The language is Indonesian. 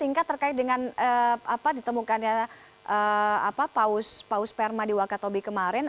ingat terkait dengan apa ditemukan paus perma di wakatobi kemarin